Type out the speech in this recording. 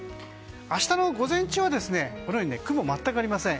明日の午前中は雲、全くありません。